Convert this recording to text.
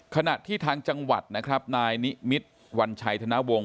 ขณะที่ทางจังหวัดนะครับนายนิมิตรวัญชัยธนวงศ